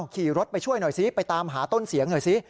ขี่รถไปช่วยหน่อยซิไปตามหาต้นเสียงหน่อยสิ